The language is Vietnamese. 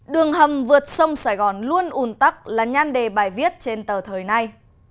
đường hầm vượt sông sài gòn luôn ùn tắc là nhan đề bài viết trên tờ thời nay